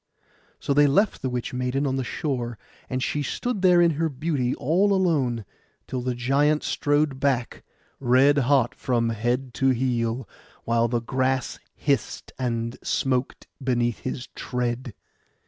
So they left the witch maiden on the shore; and she stood there in her beauty all alone, till the giant strode back red hot from head to heel, while the grass hissed and smoked beneath his tread.